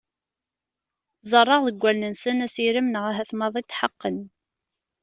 Ẓerreɣ deg wallen-nsen asirem neɣ ahat maḍi tḥeqqen.